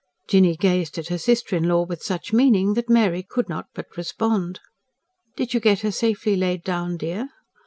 Jinny gazed at her sister in law with such meaning that Mary could not but respond. "Did you get her safely laid down, dear?"